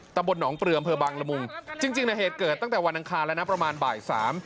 ตำบลหนองปลืออำเภอบังละมุงจริงนะเหตุเกิดตั้งแต่วันอังคารแล้วนะประมาณบ่ายสาม